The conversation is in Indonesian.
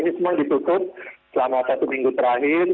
ini semua ditutup selama satu minggu terakhir